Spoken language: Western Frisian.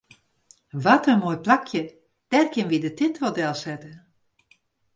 Wat in moai plakje, dêr kinne wy de tinte wol delsette.